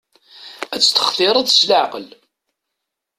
Ad tt-textireḍ s laɛqel.